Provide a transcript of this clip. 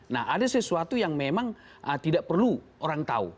nah ada sesuatu yang memang tidak perlu orang tahu